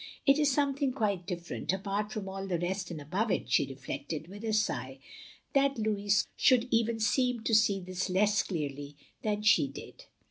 " It is something qtiite different — apart from all the rest, and above it, " she reflected, with a sigh that Louis shotild even seem to see this less clearly than she did.